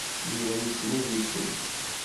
Yuba yessen ad yesseww.